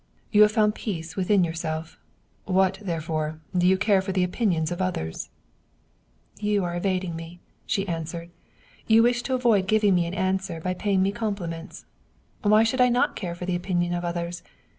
You have found peace within yourself; what, therefore, do you care for the opin ions of others ?"" You are evading me," she answered. " You wish to avoid giving me an answer by paying me compliments. Why should I not care for the opinion of others?